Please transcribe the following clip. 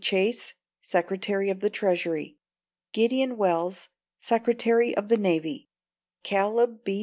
Chase, Secretary of the Treasury; Gideon Welles, Secretary of the Navy; Caleb B.